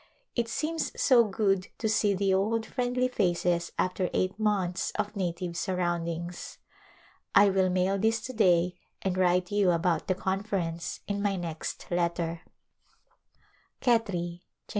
It seems so good to see the old friendly faces after eight months of native surroundings. I will mail this to day and write you about the Con ference in my next letter. Khetri^ Jan.